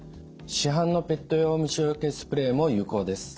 市販のペット用虫よけスプレーも有効です。